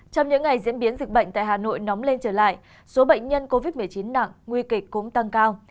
trong những ngày diễn biến dịch bệnh tại hà nội nóng lên trở lại số bệnh nhân covid một mươi chín nặng nguy kịch cũng tăng cao